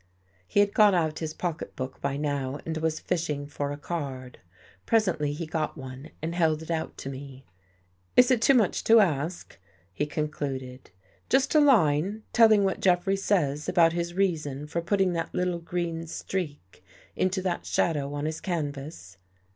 He had got out his pocket book by now and was fishing for a card. Presently he got one and held it out to me. " Is it too much to ask? " he concluded. " Just a line telling what Jeffrey says about his reason for putting that little green streak into that shadow on his canvas.